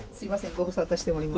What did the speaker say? ご無沙汰しております。